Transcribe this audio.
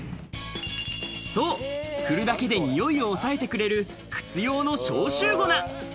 そう、振るだけでにおいを抑えてくれる、靴用の消臭粉。